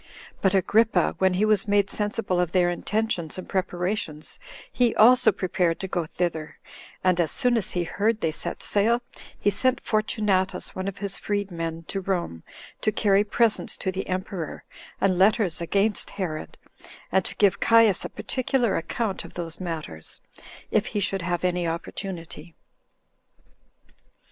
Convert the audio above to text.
But Agrippa, when he was made sensible of their intentions and preparations, he also prepared to go thither; and as soon as he heard they set sail, he sent Fortunatus, one of his freed men, to Rome, to carry presents to the emperor, and letters against Herod, and to give Caius a particular account of those matters, if he should have any opportunity.